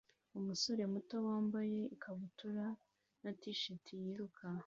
Umusore muto wambaye ikabutura na t-shirt yiruka